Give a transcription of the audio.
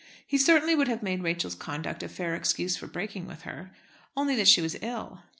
He certainly would have made Rachel's conduct a fair excuse for breaking with her, only that she was ill.